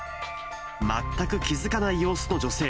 全く気付かない様子の女性。